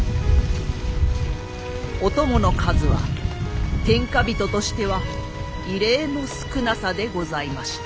お供の数は天下人としては異例の少なさでございました。